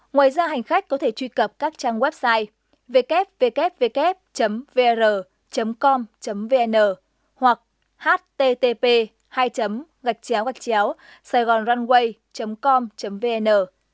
ngoài ra hành khách có thể truy cập các trang website www vr com vn hoặc http sàigonrunway com vn